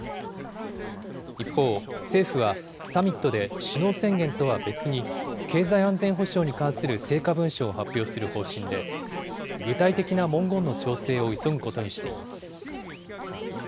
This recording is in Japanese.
一方、政府はサミットで首脳宣言とは別に、経済安全保障に関する成果文書を発表する方針で、具体的な文言の調整を急ぐことにしています。